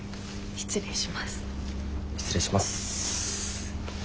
失礼します。